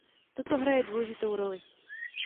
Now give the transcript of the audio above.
Toto hraje důležitou roli.